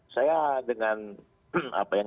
saya dengan apa yang